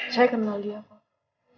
saya kenal dia pak